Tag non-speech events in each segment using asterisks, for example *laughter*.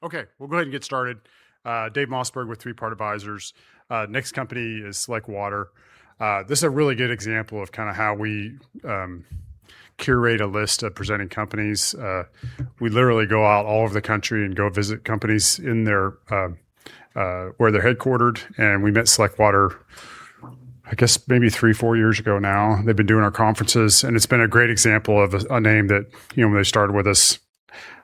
Yellow at five, red at two or one. Okay, we'll go ahead and get started. Dave Mossberg with Three Part Advisors. Next company is Select Water. This is a really good example of how we curate a list of presenting companies. We literally go out all over the country and go visit companies where they're headquartered, and we met Select Water, I guess, maybe three, four years ago now. They've been doing our conferences, and it's been a great example of a name that when they started with us,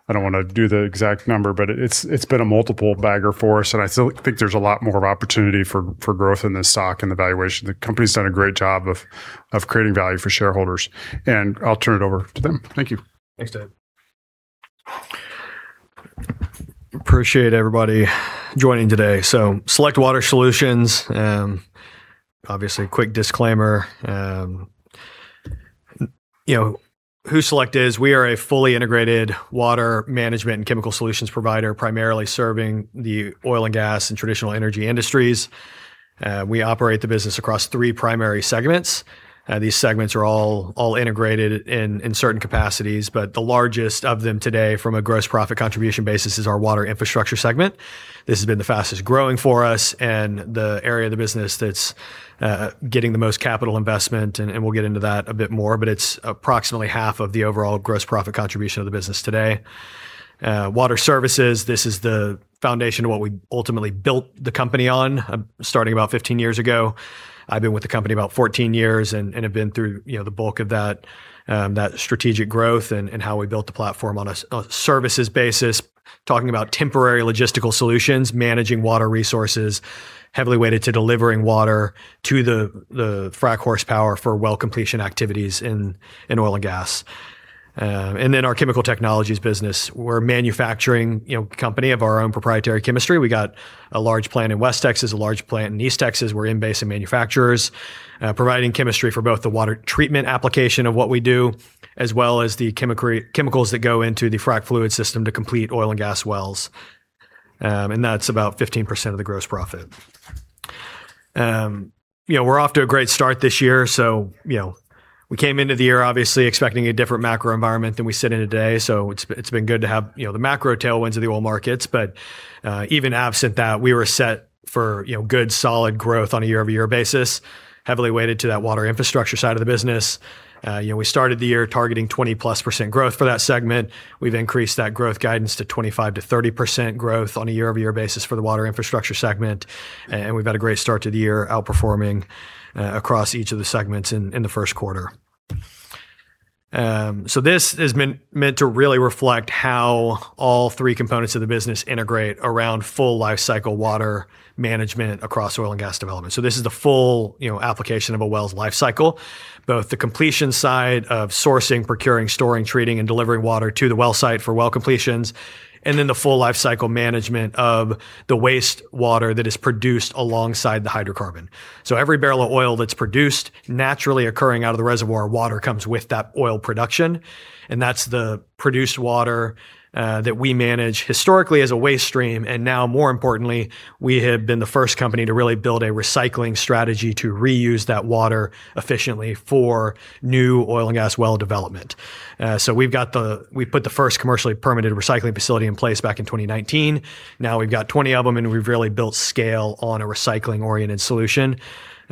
I don't want to do the exact number, but it's been a multiple bagger for us, and I still think there's a lot more opportunity for growth in this stock and the valuation. The company's done a great job of creating value for shareholders. I'll turn it over to them. Thank you. Thanks, Dave. Appreciate everybody joining today. Select Water Solutions, obviously, quick disclaimer. Who Select is, we are a fully integrated water management and chemical solutions provider, primarily serving the oil and gas and traditional energy industries. We operate the business across three primary segments. These segments are all integrated in certain capacities, but the largest of them today from a gross profit contribution basis is our Water Infrastructure segment. This has been the fastest-growing for us and the area of the business that's getting the most capital investment, and we'll get into that a bit more, but it's approximately half of the overall gross profit contribution of the business today. Water Services, this is the foundation of what we ultimately built the company on, starting about 15 years ago. I've been with the company about 14 years and have been through the bulk of that strategic growth and how we built the platform on a services basis, talking about temporary logistical solutions, managing water resources, heavily weighted to delivering water to the frac horsepower for well completion activities in oil and gas. Then our Chemical Technologies business. We're a manufacturing company of our own proprietary chemistry. We got a large plant in West Texas, a large plant in East Texas. We're in basin manufacturers, providing chemistry for both the water treatment application of what we do, as well as the chemicals that go into the frac fluid system to complete oil and gas wells. That's about 15% of the gross profit. We're off to a great start this year. We came into the year obviously expecting a different macro environment than we sit in today, so it's been good to have the macro tailwinds of the oil markets. Even absent that, we were set for good, solid growth on a year-over-year basis, heavily weighted to that Water Infrastructure side of the business. We started the year targeting 20+ % growth for that segment. We've increased that growth guidance to 25%-30% growth on a year-over-year basis for the Water Infrastructure segment, and we've had a great start to the year, outperforming across each of the segments in the first quarter. This is meant to really reflect how all three components of the business integrate around full lifecycle water management across oil and gas development. This is the full application of a well's lifecycle, both the completion side of sourcing, procuring, storing, treating, and delivering water to the well site for well completions, and then the full lifecycle management of the wastewater that is produced alongside the hydrocarbon. Every barrel of oil that's produced naturally occurring out of the reservoir, water comes with that oil production, and that's the produced water that we manage historically as a waste stream. Now, more importantly, we have been the first company to really build a recycling strategy to reuse that water efficiently for new oil and gas well development. We put the first commercially permitted recycling facility in place back in 2019. We've got 20 of them, and we've really built scale on a recycling-oriented solution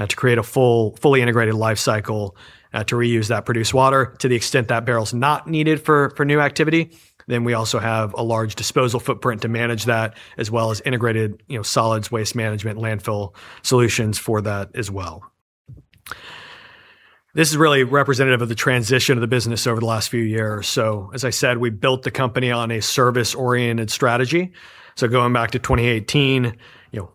to create a fully integrated lifecycle to reuse that produced water to the extent that barrel's not needed for new activity. We also have a large disposal footprint to manage that, as well as integrated solids waste management landfill solutions for that as well. This is really representative of the transition of the business over the last few years. As I said, we built the company on a service-oriented strategy. Going back to 2018,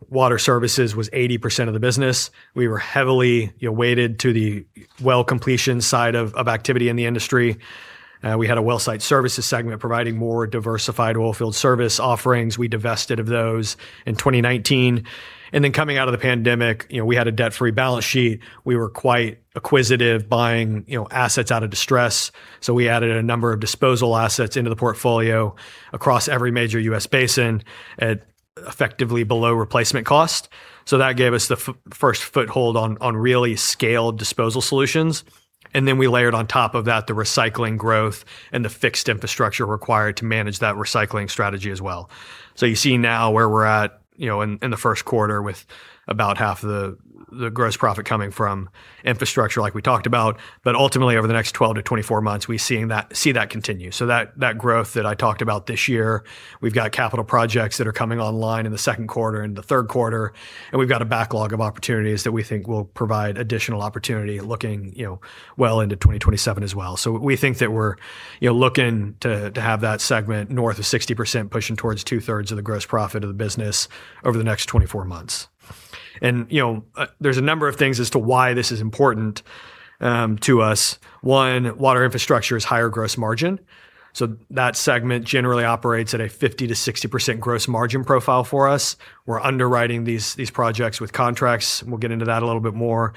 Water Services was 80% of the business. We were heavily weighted to the well completion side of activity in the industry. We had a well site services segment providing more diversified oil field service offerings. We divested of those in 2019. Coming out of the pandemic, we had a debt-free balance sheet. We were quite acquisitive, buying assets out of distress. We added a number of disposal assets into the portfolio across every major U.S. basin at effectively below replacement cost. That gave us the first foothold on really scaled disposal solutions, and then we layered on top of that the recycling growth and the fixed infrastructure required to manage that recycling strategy as well. You see now where we're at in the first quarter with about half the gross profit coming from infrastructure like we talked about. Ultimately, over the next 12 to 24 months, we see that continue. That growth that I talked about this year, we've got capital projects that are coming online in the second quarter and the third quarter, and we've got a backlog of opportunities that we think will provide additional opportunity looking well into 2027 as well. We think that we're looking to have that segment north of 60%, pushing towards two-thirds of the gross profit of the business over the next 24 months. There's a number of things as to why this is important to us. One, Water Infrastructure is higher gross margin, so that segment generally operates at a 50%-60% gross margin profile for us. We're underwriting these projects with contracts, and we'll get into that a little bit more.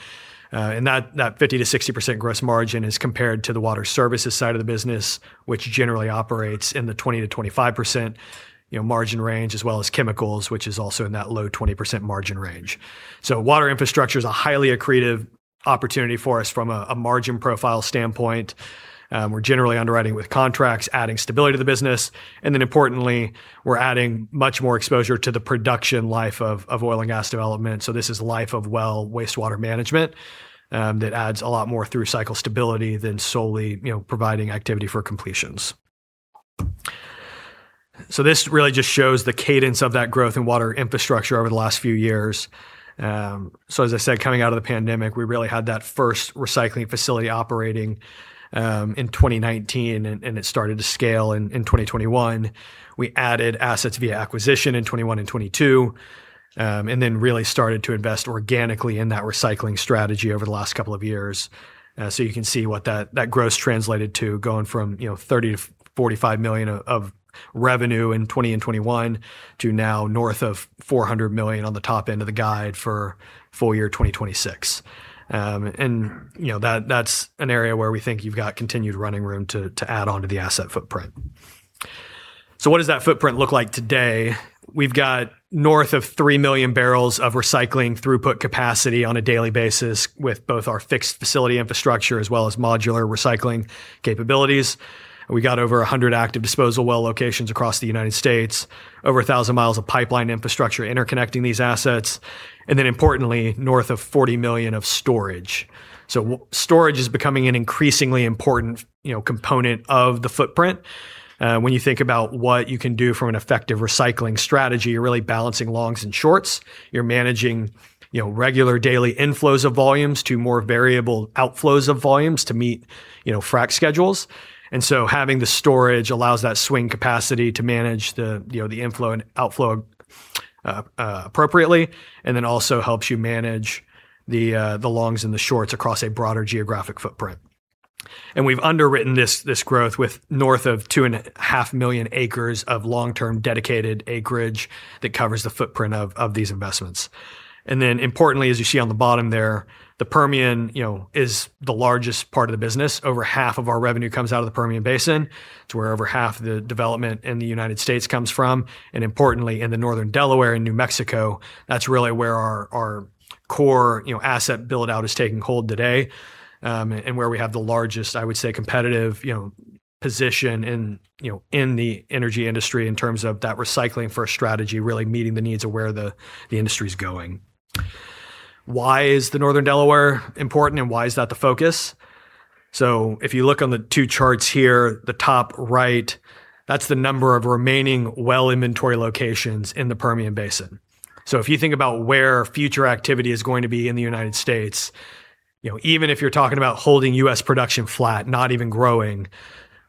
That 50%-60% gross margin is compared to the Water Services side of the business, which generally operates in the 20%-25% margin range, as well as Chemicals, which is also in that low 20% margin range. Water Infrastructure is a highly accretive opportunity for us from a margin profile standpoint. We're generally underwriting with contracts, adding stability to the business. Importantly, we're adding much more exposure to the production life of oil and gas development. This is life of well wastewater management that adds a lot more through-cycle stability than solely providing activity for completions. This really just shows the cadence of that growth in Water Infrastructure over the last few years. As I said, coming out of the pandemic, we really had that first recycling facility operating in 2019, and it started to scale in 2021. We added assets via acquisition in 2021 and 2022, and then really started to invest organically in that recycling strategy over the last couple of years. You can see what that growth translated to going from $30 million-$45 million of revenue in 2020 and 2021 to now north of $400 million on the top end of the guide for full year 2026. That's an area where we think you've got continued running room to add onto the asset footprint. What does that footprint look like today? We've got north of 3 million barrels of recycling throughput capacity on a daily basis with both our fixed facility infrastructure as well as modular recycling capabilities. We got over 100 active disposal well locations across the U.S., over 1,000 mi of pipeline infrastructure interconnecting these assets. Importantly, north of $40 million of storage. Storage is becoming an increasingly important component of the footprint. When you think about what you can do from an effective recycling strategy, you're really balancing longs and shorts. You're managing regular daily inflows of volumes to more variable outflows of volumes to meet frac schedules. Having the storage allows that swing capacity to manage the inflow and outflow appropriately. Also helps you manage the longs and the shorts across a broader geographic footprint. We've underwritten this growth with north of 2.5 million acres of long-term dedicated acreage that covers the footprint of these investments. Importantly, as you see on the bottom there, the Permian is the largest part of the business. Over half of our revenue comes out of the Permian Basin. It's where over half the development in the U.S. comes from. Importantly, in the Northern Delaware and New Mexico, that's really where our core asset build-out is taking hold today, where we have the largest, I would say, competitive position in the energy industry in terms of that recycling first strategy, really meeting the needs of where the industry is going. Why is the Northern Delaware important? Why is that the focus? If you look on the two charts here, the top right, that's the number of remaining well inventory locations in the Permian Basin. If you think about where future activity is going to be in the U.S., even if you're talking about holding U.S. production flat, not even growing,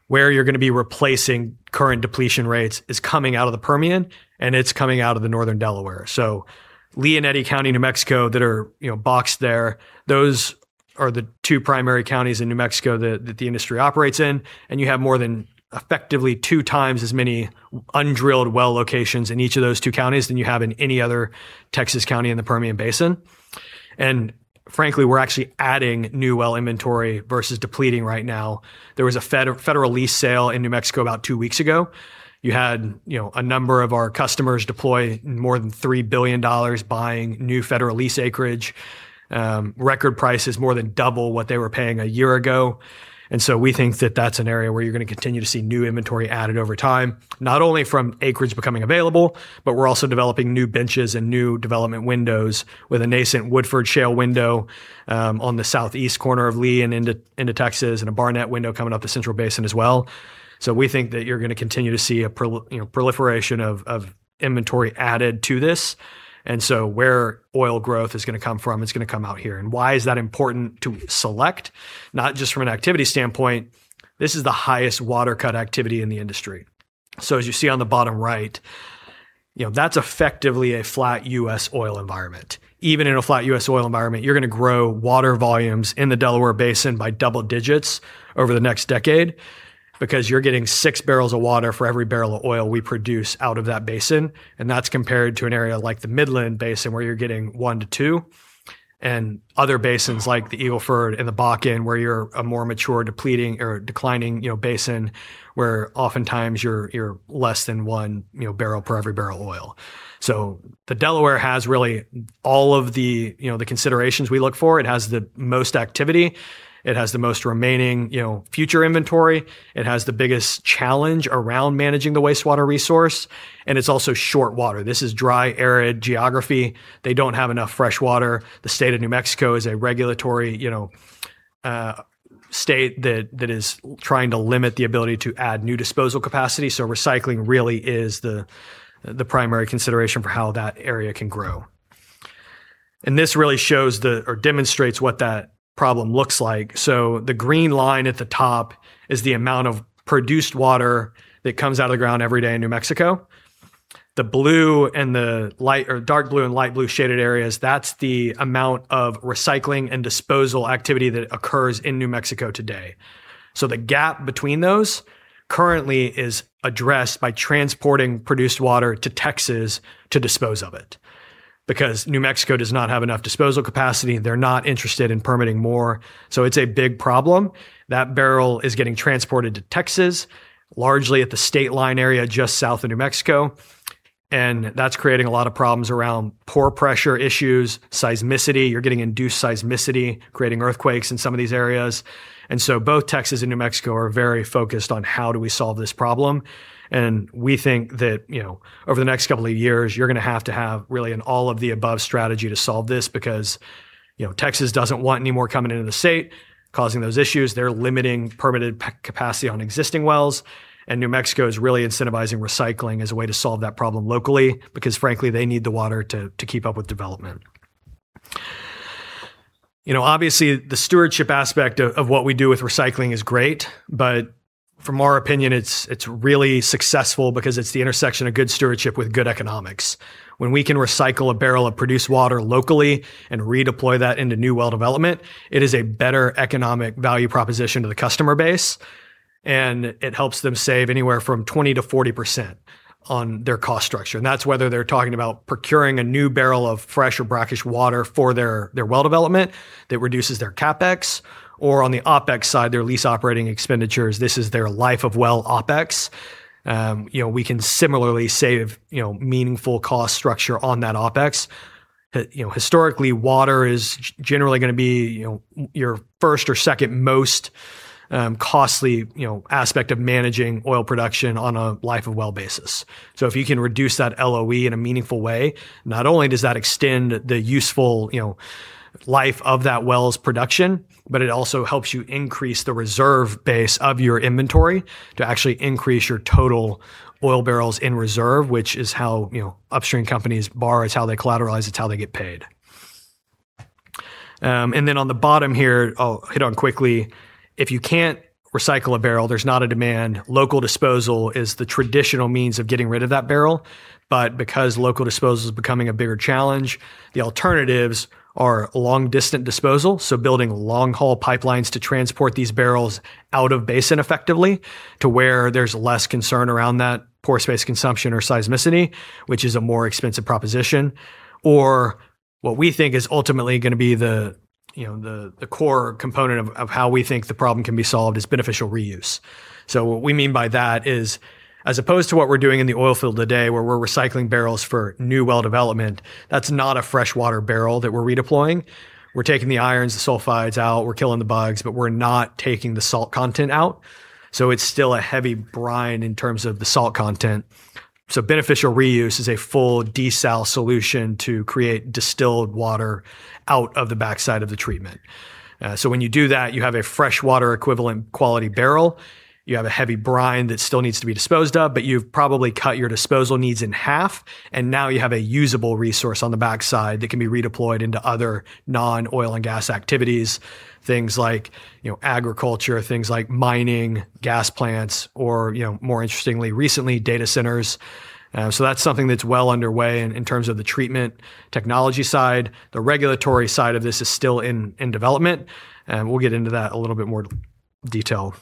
where you're going to be replacing current depletion rates is coming out of the Permian, and it's coming out of the northern Delaware. Lea, Eddy County, New Mexico, that are boxed there, those are the two primary counties in New Mexico that the industry operates in, and you have more than effectively two times as many undrilled well locations in each of those two counties than you have in any other Texas county in the Permian Basin. Frankly, we're actually adding new well inventory versus depleting right now. There was a federal lease sale in New Mexico about two weeks ago. You had a number of our customers deploy more than $3 billion buying new federal lease acreage. Record prices more than double what they were paying a year ago. We think that that's an area where you're going to continue to see new inventory added over time, not only from acreage becoming available, but we're also developing new benches and new development windows with a nascent Woodford Shale window on the southeast corner of Lea and into Texas, and a Barnett window coming up the Central Basin as well. We think that you're going to continue to see a proliferation of inventory added to this. Where oil growth is going to come from, it's going to come out here. Why is that important to Select? Not just from an activity standpoint, this is the highest water cut activity in the industry. As you see on the bottom right, that's effectively a flat U.S. oil environment. Even in a flat U.S. oil environment, you're going to grow water volumes in the Delaware Basin by double-digits over the next decade because you're getting six barrels of water for every barrel of oil we produce out of that basin, and that's compared to an area like the Midland Basin where you're getting one to two, and other basins like the Eagle Ford and the Bakken where you're a more mature depleting or declining basin where oftentimes you're less than one barrel per every barrel of oil. The Delaware has really all of the considerations we look for. It has the most activity. It has the most remaining future inventory. It has the biggest challenge around managing the wastewater resource, and it's also short water. This is dry, arid geography. They don't have enough fresh water. The state of New Mexico is a regulatory state that is trying to limit the ability to add new disposal capacity, recycling really is the primary consideration for how that area can grow. This really shows, or demonstrates what that problem looks like. The green line at the top is the amount of produced water that comes out of the ground every day in New Mexico. The blue and the light or dark blue and light blue shaded areas, that's the amount of recycling and disposal activity that occurs in New Mexico today. The gap between those currently is addressed by transporting produced water to Texas to dispose of it. New Mexico does not have enough disposal capacity, they're not interested in permitting more. It's a big problem. That barrel is getting transported to Texas, largely at the state line area just south of New Mexico. That's creating a lot of problems around pore pressure issues, seismicity. You're getting induced seismicity, creating earthquakes in some of these areas. Both Texas and New Mexico are very focused on how do we solve this problem. We think that over the next couple of years, you're going to have to have really an all-of-the-above strategy to solve this because Texas doesn't want any more coming into the state causing those issues. They're limiting permitted capacity on existing wells, and New Mexico is really incentivizing recycling as a way to solve that problem locally because frankly, they need the water to keep up with development. Obviously, the stewardship aspect of what we do with recycling is great, but from our opinion, it's really successful because it's the intersection of good stewardship with good economics. When we can recycle a barrel of produced water locally and redeploy that into new well development, it is a better economic value proposition to the customer base, and it helps them save anywhere from 20%-40% on their cost structure. That's whether they're talking about procuring a new barrel of fresh or brackish water for their well development that reduces their CapEx, or on the OpEx side, their lease operating expenditures. This is their life-of-well OpEx. We can similarly save meaningful cost structure on that OpEx. Historically, water is generally going to be your first or second most costly aspect of managing oil production on a life-of-well basis. If you can reduce that LOE in a meaningful way, not only does that extend the useful life of that well's production, but it also helps you increase the reserve base of your inventory to actually increase your total oil barrels in reserve, which is how upstream companies borrow. It's how they collateralize. It's how they get paid. On the bottom here, I'll hit on quickly, if you can't recycle a barrel, there's not a demand. Local disposal is the traditional means of getting rid of that barrel. Because local disposal is becoming a bigger challenge, the alternatives are long-distant disposal, so building long-haul pipelines to transport these barrels out of basin effectively to where there's less concern around that pore space consumption or seismicity, which is a more expensive proposition, or what we think is ultimately going to be the core component of how we think the problem can be solved is beneficial reuse. What we mean by that is, as opposed to what we're doing in the oil field today, where we're recycling barrels for new well development, that's not a fresh water barrel that we're redeploying. We're taking the ions, the sulfides out. We're killing the bugs, but we're not taking the salt content out. It's still a heavy brine in terms of the salt content. Beneficial reuse is a full desal solution to create distilled water out of the backside of the treatment. When you do that, you have a fresh water equivalent quality barrel. You have a heavy brine that still needs to be disposed of, but you've probably cut your disposal needs in half, and now you have a usable resource on the backside that can be redeployed into other non-oil and gas activities, things like agriculture, things like mining, gas plants, or more interestingly recently, data centers. That's something that's well underway in terms of the treatment technology side. The regulatory side of this is still in development, and we'll get into that in a little bit more detail.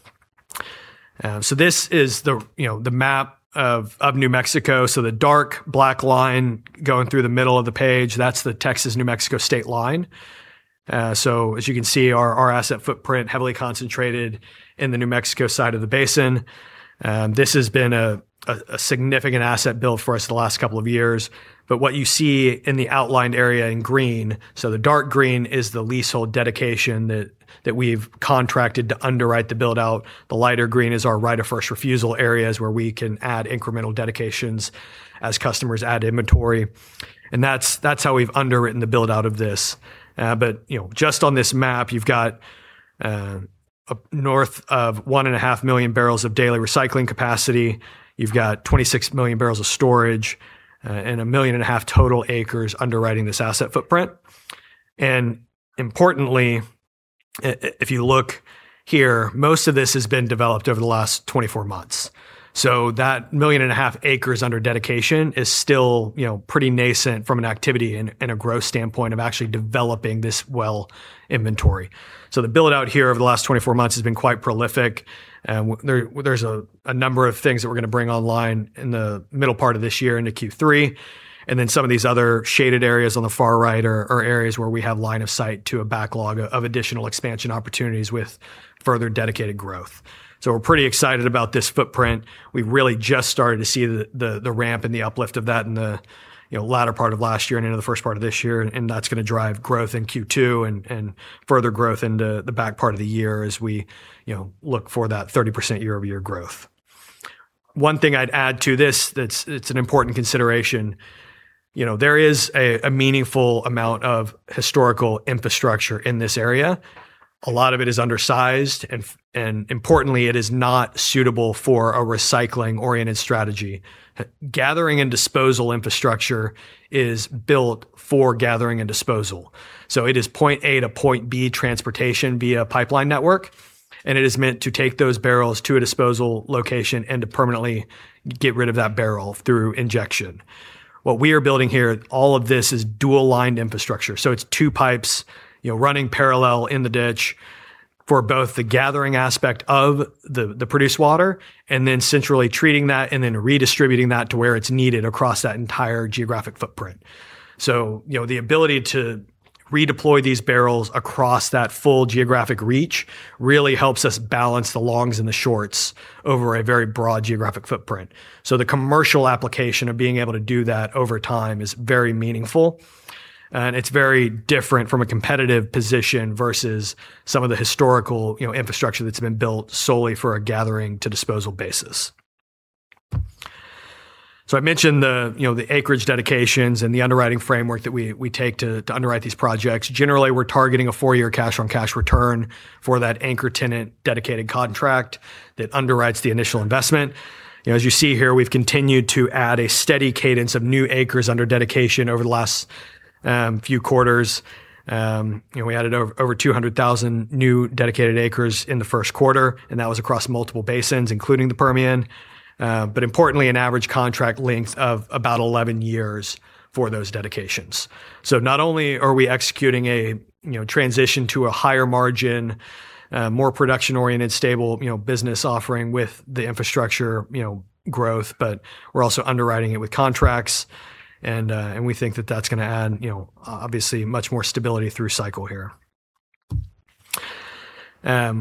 This is the map of New Mexico. The dark black line going through the middle of the page, that's the Texas-New Mexico state line. As you can see, our asset footprint heavily concentrated in the New Mexico side of the basin. This has been a significant asset build for us the last couple of years. What you see in the outlined area in green, the dark green is the leasehold dedication that we've contracted to underwrite the build-out. The lighter green is our right of first refusal areas where we can add incremental dedications as customers add inventory. That's how we've underwritten the build-out of this. Just on this map, you've got north of 1.5 million barrels of daily recycling capacity. You've got 26 million barrels of storage, and 1.5 million total acres underwriting this asset footprint. Importantly, if you look here, most of this has been developed over the last 24 months. That 1.5 million acres under dedication is still pretty nascent from an activity and a growth standpoint of actually developing this well inventory. The build-out here over the last 24 months has been quite prolific. There's a number of things that we're going to bring online in the middle part of this year into Q3. Some of these other shaded areas on the far right are areas where we have line of sight to a backlog of additional expansion opportunities with further dedicated growth. We're pretty excited about this footprint. We've really just started to see the ramp and the uplift of that in the latter part of last year and into the first part of this year, and that's going to drive growth in Q2 and further growth into the back part of the year as we look for that 30% year-over-year growth. One thing I'd add to this that's an important consideration, there is a meaningful amount of historical infrastructure in this area. A lot of it is undersized, and importantly, it is not suitable for a recycling-oriented strategy. Gathering and disposal infrastructure is built for gathering and disposal. It is point A to point B transportation via pipeline network, and it is meant to take those barrels to a disposal location and to permanently get rid of that barrel through injection. What we are building here, all of this is dual-lined infrastructure. It's two pipes running parallel in the ditch for both the gathering aspect of the produced water and then centrally treating that and then redistributing that to where it's needed across that entire geographic footprint. The ability to redeploy these barrels across that full geographic reach really helps us balance the longs and the shorts over a very broad geographic footprint. The commercial application of being able to do that over time is very meaningful, and it's very different from a competitive position versus some of the historical infrastructure that's been built solely for a gathering to disposal basis. I mentioned the acreage dedications and the underwriting framework that we take to underwrite these projects. Generally, we're targeting a four-year cash-on-cash return for that anchor tenant dedicated contract that underwrites the initial investment. As you see here, we've continued to add a steady cadence of new acres under dedication over the last few quarters. We added over 200,000 new dedicated acres in the first quarter, and that was across multiple basins, including the Permian, but importantly, an average contract length of about 11 years for those dedications. Not only are we executing a transition to a higher margin, more production-oriented, stable business offering with the infrastructure growth, but we're also underwriting it with contracts and we think that that's going to add obviously much more stability through cycle here.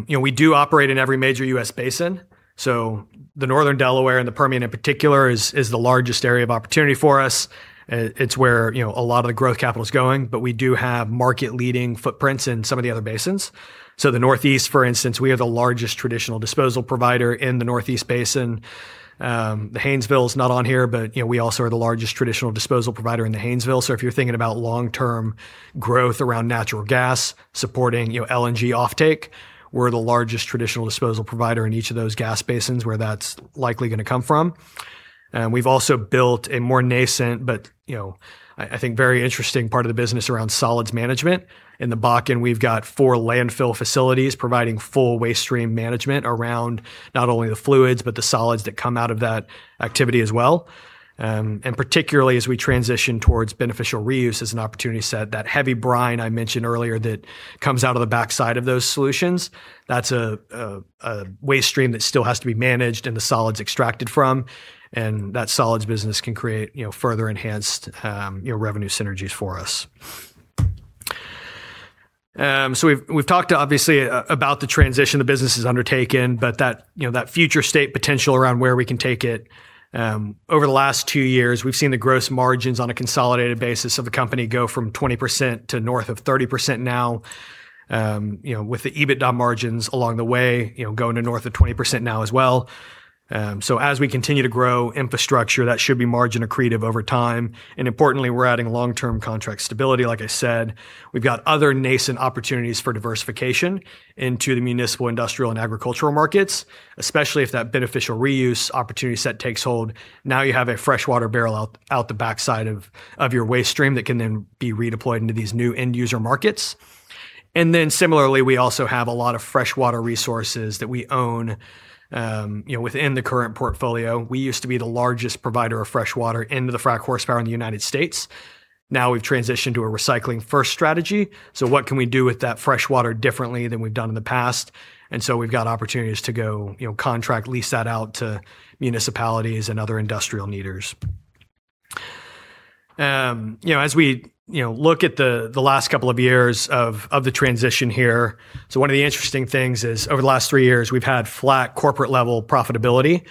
We do operate in every major U.S. basin, the Northern Delaware and the Permian in particular is the largest area of opportunity for us. It's where a lot of the growth capital's going, but we do have market-leading footprints in some of the other basins. The Northeast, for instance, we are the largest traditional disposal provider in the Northeast Basin. The Haynesville is not on here, but we also are the largest traditional disposal provider in the Haynesville. If you're thinking about long-term growth around natural gas supporting LNG offtake, we're the largest traditional disposal provider in each of those gas basins where that's likely going to come from. We've also built a more nascent, but I think very interesting part of the business around solids management. In the Bakken, we've got four landfill facilities providing full waste stream management around not only the fluids, but the solids that come out of that activity as well. Particularly as we transition towards beneficial reuse as an opportunity set, that heavy brine I mentioned earlier that comes out of the backside of those solutions, that's a waste stream that still has to be managed and the solids extracted from, and that solids business can create further enhanced revenue synergies for us. We've talked obviously about the transition the business has undertaken, but that future state potential around where we can take it. Over the last two years, we've seen the gross margins on a consolidated basis of the company go from 20% to north of 30% now with the EBITDA margins along the way going to north of 20% now as well. As we continue to grow infrastructure, that should be margin accretive over time. Importantly, we're adding long-term contract stability, like I said. We've got other nascent opportunities for diversification into the municipal, industrial, and agricultural markets, especially if that beneficial reuse opportunity set takes hold. Now you have a freshwater barrel out the backside of your waste stream that can then be redeployed into these new end user markets. Similarly, we also have a lot of freshwater resources that we own within the current portfolio. We used to be the largest provider of freshwater into the frac horsepower in the U.S. Now we've transitioned to a recycling first strategy. What can we do with that freshwater differently than we've done in the past? We've got opportunities to go contract lease that out to municipalities and other industrial needers. As we look at the last couple of years of the transition here, one of the interesting things is over the last three years, we've had flat corporate level profitability.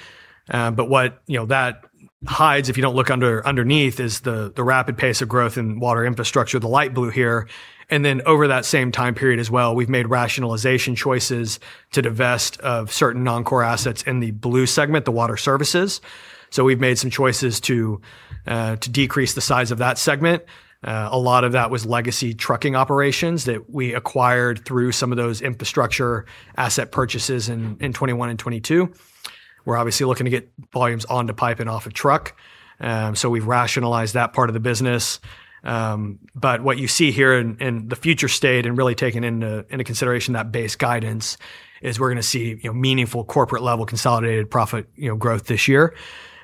What that hides, if you don't look underneath, is the rapid pace of growth in Water Infrastructure, the light blue here. Over that same time period as well, we've made rationalization choices to divest of certain non-core assets in the blue segment, the Water Services. We've made some choices to decrease the size of that segment. A lot of that was legacy trucking operations that we acquired through some of those infrastructure asset purchases in 2021 and 2022. We're obviously looking to get volumes onto pipe and off a truck. We've rationalized that part of the business. What you see here in the future state, and really taking into consideration that base guidance, is we're going to see meaningful corporate level consolidated profit growth this year,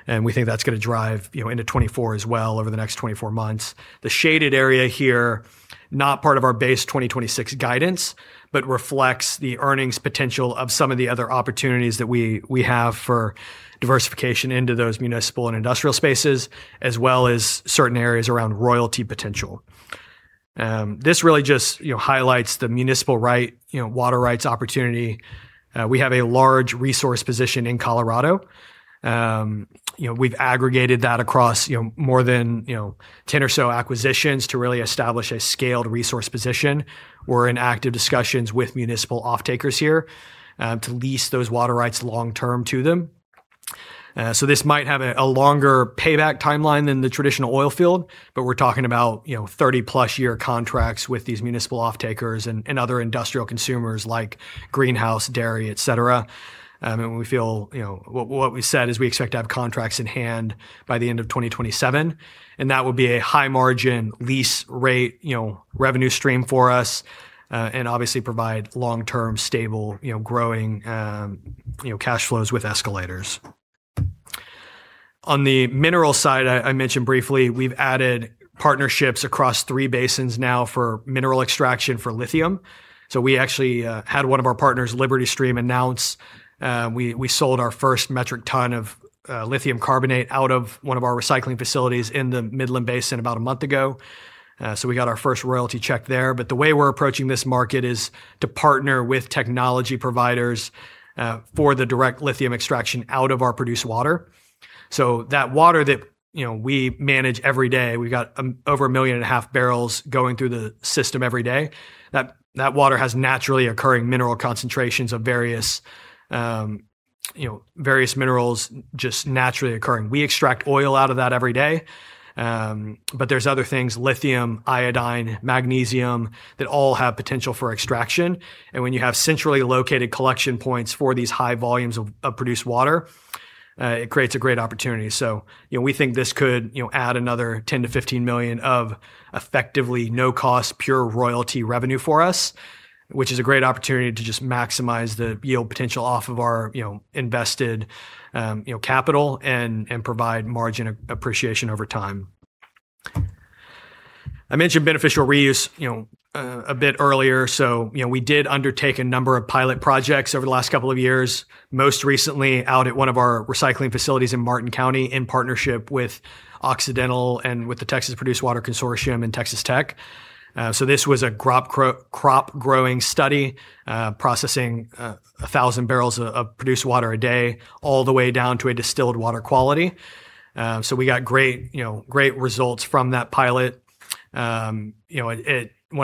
and we think that's going to drive into 2024 as well over the next 24 months. The shaded area here, not part of our base 2026 guidance, but reflects the earnings potential of some of the other opportunities that we have for diversification into those municipal and industrial spaces, as well as certain areas around royalty potential. This really just highlights the municipal water rights opportunity. We have a large resource position in Colorado. We've aggregated that across more than 10 or so acquisitions to really establish a scaled resource position. We're in active discussions with municipal offtakers here to lease those water rights long-term to them. This might have a longer payback timeline than the traditional oil field, but we're talking about 30+ year contracts with these municipal offtakers and other industrial consumers like greenhouse, dairy, et cetera. What we said is we expect to have contracts in hand by the end of 2027, and that would be a high margin lease rate revenue stream for us, and obviously provide long-term stable growing cash flows with escalators. On the mineral side, I mentioned briefly we've added partnerships across three basins now for mineral extraction for lithium. We actually had one of our partners, LibertyStream, announce we sold our first metric ton of lithium carbonate out of one of our recycling facilities in the Midland Basin about a month ago. We got our first royalty check there. The way we're approaching this market is to partner with technology providers for the direct lithium extraction out of our produced water. That water that we manage every day, we've got over 1.5 million barrels going through the system every day. That water has naturally occurring mineral concentrations of various minerals just naturally occurring. We extract oil out of that every day. There's other things, lithium, iodine, magnesium, that all have potential for extraction. When you have centrally located collection points for these high volumes of produced water, it creates a great opportunity. We think this could add another $10 million-$15 million of effectively no-cost pure royalty revenue for us, which is a great opportunity to just maximize the yield potential off of our invested capital and provide margin appreciation over time. I mentioned beneficial reuse a bit earlier. We did undertake a number of pilot projects over the last couple of years, most recently out at one of our recycling facilities in Martin County in partnership with Occidental and with the Texas Produced Water Consortium and Texas Tech. This was a crop-growing study, processing 1,000 barrels of produced water a day, all the way down to a distilled water quality. We got great results from that pilot. One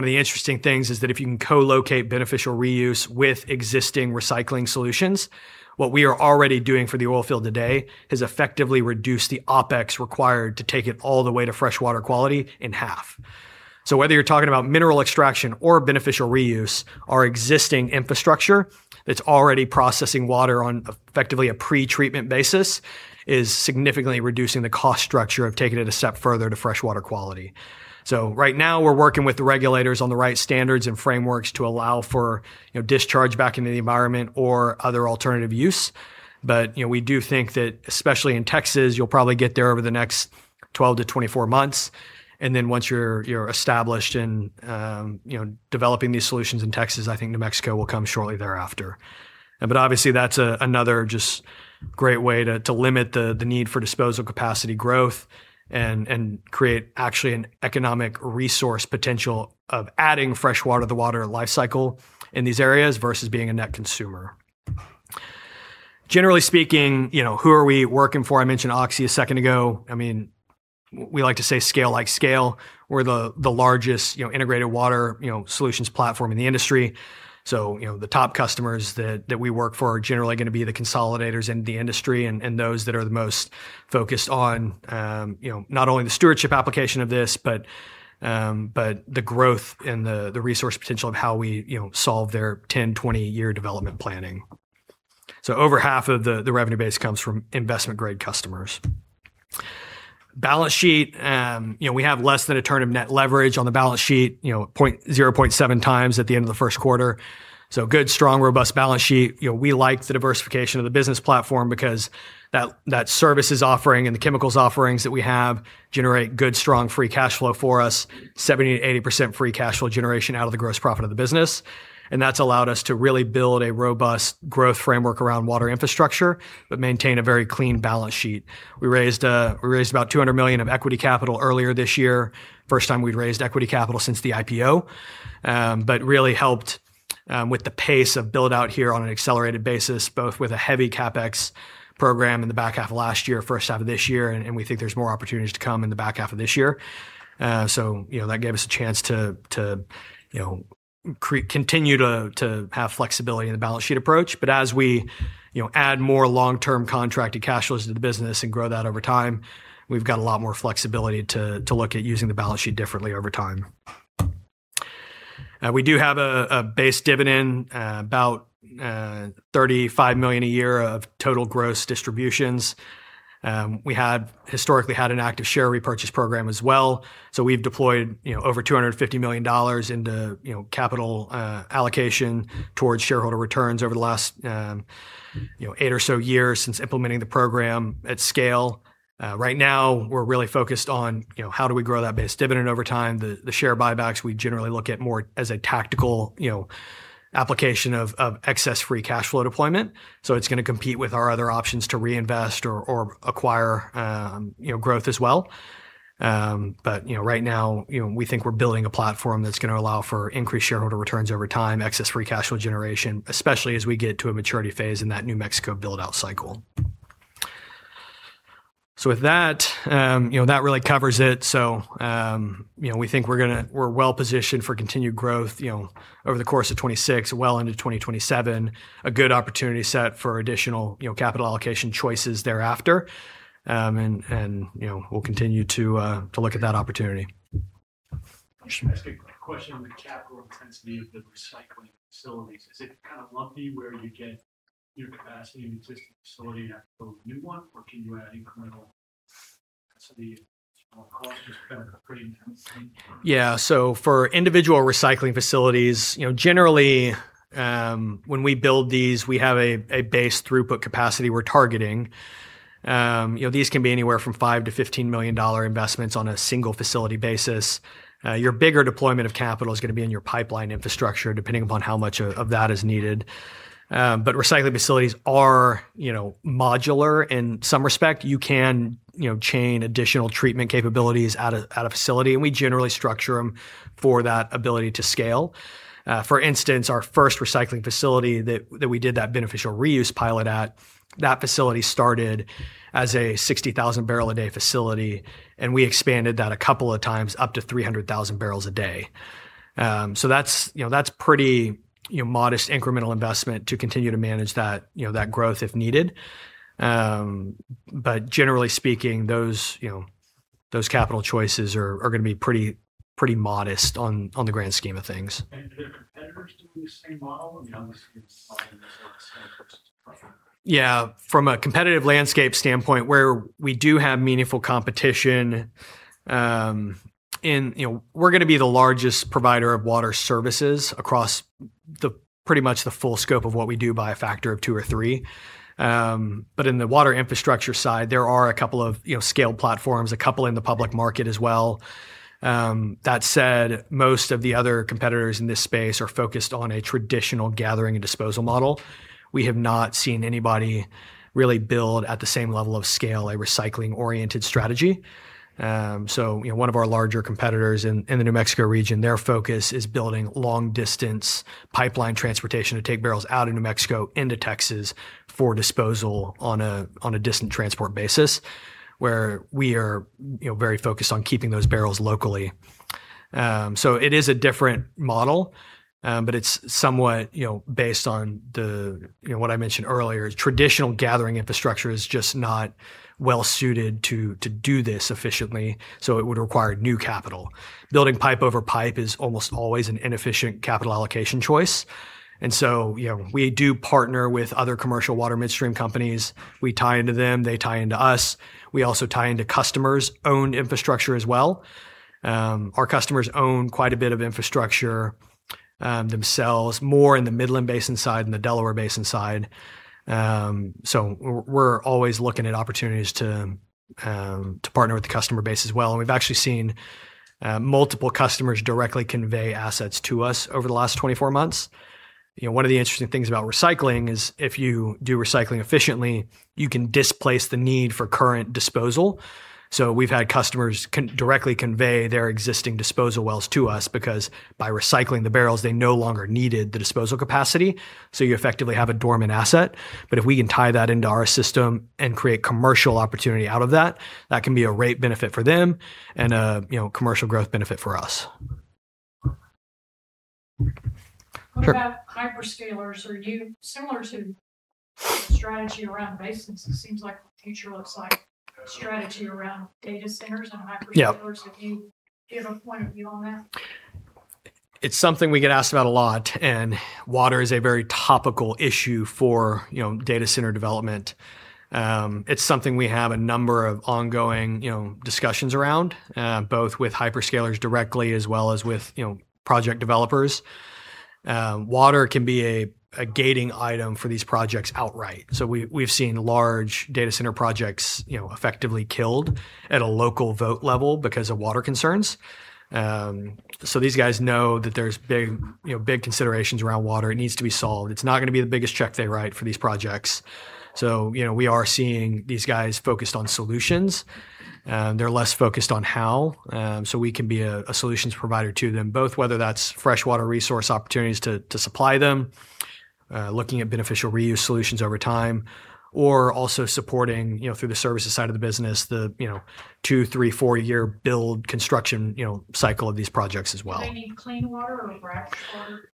of the interesting things is that if you can co-locate beneficial reuse with existing recycling solutions, what we are already doing for the oil field today has effectively reduced the OpEx required to take it all the way to fresh water quality in half. Whether you're talking about mineral extraction or beneficial reuse, our existing infrastructure that's already processing water on effectively a pre-treatment basis is significantly reducing the cost structure of taking it a step further to fresh water quality. Right now we're working with the regulators on the right standards and frameworks to allow for discharge back into the environment or other alternative use. We do think that, especially in Texas, you'll probably get there over the next 12-24 months, then once you're established and developing these solutions in Texas, I think New Mexico will come shortly thereafter. Obviously that's another just great way to limit the need for disposal capacity growth and create actually an economic resource potential of adding fresh water to the water lifecycle in these areas, versus being a net consumer. Generally speaking, who are we working for? I mentioned Oxy a second ago. We like to say scale like scale. We're the largest integrated water solutions platform in the industry. The top customers that we work for are generally going to be the consolidators in the industry and those that are the most focused on not only the stewardship application of this, but the growth and the resource potential of how we solve their 10-20-year development planning. Over half of the revenue base comes from investment-grade customers. Balance sheet, we have less than a turn of net leverage on the balance sheet, 0.7x at the end of the first quarter. Good, strong, robust balance sheet. We like the diversification of the business platform because that services offering and the chemicals offerings that we have generate good, strong, free cash flow for us, 70%-80% free cash flow generation out of the gross profit of the business. That's allowed us to really build a robust growth framework around Water Infrastructure, but maintain a very clean balance sheet. We raised about $200 million of equity capital earlier this year. First time we'd raised equity capital since the IPO. Really helped with the pace of build-out here on an accelerated basis, both with a heavy CapEx program in the back half of last year, first half of this year, and we think there's more opportunities to come in the back half of this year. That gave us a chance to continue to have flexibility in the balance sheet approach. As we add more long-term contracted cash flows to the business and grow that over time, we've got a lot more flexibility to look at using the balance sheet differently over time. We do have a base dividend, about $35 million a year of total gross distributions. We historically had an active share repurchase program as well. We've deployed over $250 million into capital allocation towards shareholder returns over the last eight or so years since implementing the program at scale. Right now, we're really focused on how do we grow that base dividend over time The share buybacks, we generally look at more as a tactical application of excess free cash flow deployment. It's going to compete with our other options to reinvest or acquire growth as well. Right now, we think we're building a platform that's going to allow for increased shareholder returns over time, excess free cash flow generation, especially as we get to a maturity phase in that New Mexico build-out cycle. With that really covers it. We think we're well-positioned for continued growth over the course of 2026, well into 2027. A good opportunity set for additional capital allocation choices thereafter. We'll continue to look at that opportunity. I just have a quick question on the capital intensity of the recycling facilities. Is it kind of lumpy where you get your capacity in an existing facility and have to build a new one, or can you add incremental The initial cost is kind of pretty intense then? Yeah. For individual recycling facilities, generally, when we build these, we have a base throughput capacity we're targeting. These can be anywhere from $5 million-$15 million investments on a single facility basis. Your bigger deployment of capital is going to be in your pipeline infrastructure, depending upon how much of that is needed. Recycling facilities are modular in some respect. You can chain additional treatment capabilities at a facility, and we generally structure them for that ability to scale. For instance, our first recycling facility that we did that beneficial reuse pilot at, that facility started as a 60,000 barrel a day facility, and we expanded that a couple of times up to 300,000 barrels a day. That's pretty modest incremental investment to continue to manage that growth if needed. Generally speaking, those capital choices are going to be pretty modest on the grand scheme of things. *inaudible* Yeah. From a competitive landscape standpoint, where we do have meaningful competition in, we're going to be the largest provider of Water Services across pretty much the full scope of what we do by a factor of two or three. In the Water Infrastructure side, there are a couple of scaled platforms, a couple in the public market as well. That said, most of the other competitors in this space are focused on a traditional gathering and disposal model. We have not seen anybody really build at the same level of scale, a recycling-oriented strategy. One of our larger competitors in the New Mexico region, their focus is building long distance pipeline transportation to take barrels out of New Mexico into Texas for disposal on a distant transport basis, where we are very focused on keeping those barrels locally. It is a different model, but it's somewhat based on what I mentioned earlier. Traditional gathering infrastructure is just not well suited to do this efficiently, so it would require new capital. Building pipe over pipe is almost always an inefficient capital allocation choice. We do partner with other commercial water midstream companies. We tie into them, they tie into us. We also tie into customers' owned infrastructure as well. Our customers own quite a bit of infrastructure themselves, more in the Midland Basin side than the Delaware Basin side. We're always looking at opportunities to partner with the customer base as well, and we've actually seen multiple customers directly convey assets to us over the last 24 months. One of the interesting things about recycling is if you do recycling efficiently, you can displace the need for current disposal. We've had customers directly convey their existing disposal wells to us because by recycling the barrels, they no longer needed the disposal capacity, so you effectively have a dormant asset. If we can tie that into our system and create commercial opportunity out of that can be a rate benefit for them and a commercial growth benefit for us. What about hyperscalers? Are you similar to the strategy around basins? It seems like the future looks like strategy around data centers and hyperscalers. Yeah. Have you got a point of view on that? It's something we get asked about a lot. Water is a very topical issue for data center development. It's something we have a number of ongoing discussions around, both with hyperscalers directly as well as with project developers. Water can be a gating item for these projects outright. We've seen large data center projects effectively killed at a local vote level because of water concerns. These guys know that there's big considerations around water. It needs to be solved. It's not going to be the biggest check they write for these projects. We are seeing these guys focused on solutions. They're less focused on how. We can be a solutions provider to them, both whether that's fresh water resource opportunities to supply them, looking at beneficial reuse solutions over time, or also supporting through the services side of the business, the two, three, four-year build construction cycle of these projects as well. Do they need clean water or brackish water?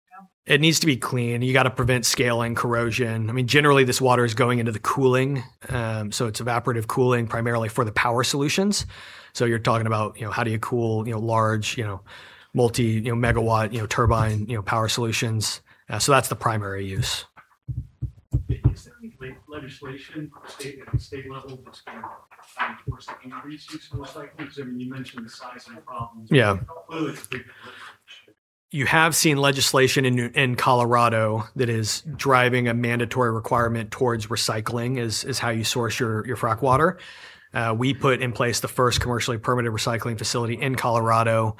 It needs to be clean. You've got to prevent scaling, corrosion. I mean, generally, this water is going into the cooling. It's evaporative cooling, primarily for the power solutions. You're talking about how do you cool large multi-megawatt turbine power solutions. That's the primary use. Is there any legislation at the state level that's going to enforce the increased use of recycling? Because you mentioned the sizing problems. Yeah. *inaudible* You have seen legislation in Colorado that is driving a mandatory requirement towards recycling as how you source your frac water. We put in place the first commercially permitted recycling facility in Colorado,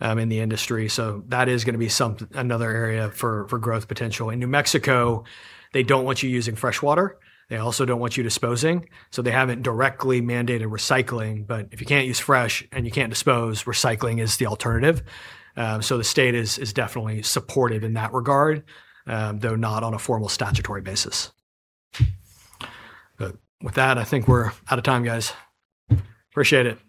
in the industry. That is going to be another area for growth potential. In New Mexico, they don't want you using fresh water. They also don't want you disposing. They haven't directly mandated recycling, but if you can't use fresh and you can't dispose, recycling is the alternative. The state is definitely supportive in that regard, though not on a formal statutory basis. With that, I think we're out of time, guys. Appreciate it